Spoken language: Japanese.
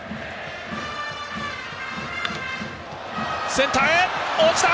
センターへ、落ちた！